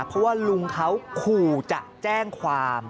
เพราะว่าลุงเขาขู่จะแจ้งความ